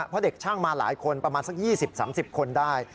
เพราะเด็กช่างมาหลายคนประมาณสัก๒๐๓๐คนได้